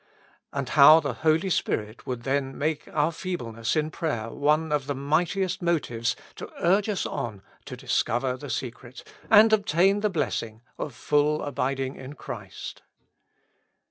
And how the Holy Spirit would then make our feebleness in 13rayer one of the mightiest motives to urge us on to discover the secret, and obtain the blessing, of, full abiding in Christ.